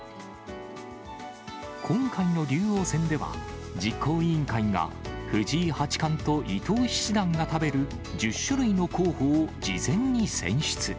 今回の竜王戦では、実行委員会が藤井八冠と伊藤七段が食べる１０種類の候補を事前に選出。